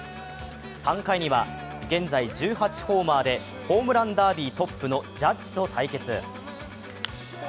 ３回には現在１８ホーマーでホームランダービートップのジャッジと対決。